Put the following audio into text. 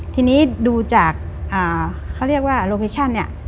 ทีนี้ดูจากเขาเรียกว่าโลเคชั่นเนี่ย